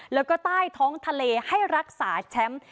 แล้วก็ใต้ท้องทะเลให้รักษาแชมป์